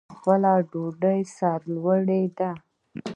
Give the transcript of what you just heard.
خپله ډوډۍ سرلوړي ده.